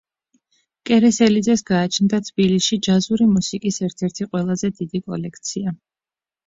კერესელიძეს გააჩნდა თბილისში ჯაზური მუსიკის ერთ-ერთი ყველაზე დიდი კოლექცია.